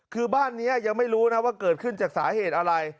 คือบ้านนี้ยังไม่รู้นะว่าเกิดขึ้นจากสาเหตุอะไร